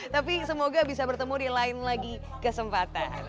tapi semoga bisa bertemu di lain lagi kesempatan